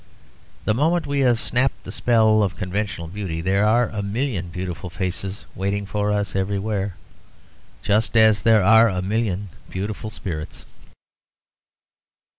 The moment we have snapped the spell of conventional beauty, there are a million beautiful faces waiting for us everywhere, just as there are a million beautiful spirits.